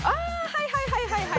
はいはいはいはい。